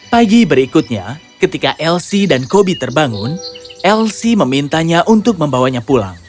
pagi berikutnya ketika elsi dan kobi terbangun elsi memintanya untuk membawanya pulang